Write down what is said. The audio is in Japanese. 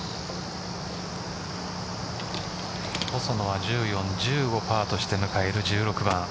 細野は１４、１５パーとして迎える１６番。